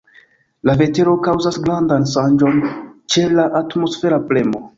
La vetero kaŭzas grandan ŝanĝon ĉe la atmosfera premo.